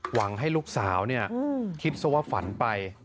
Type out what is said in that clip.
หวังให้ลูกสาวคิดซะว่าฝันไป